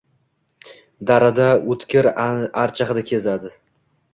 Darada oʼtkir archa hidi kezadi.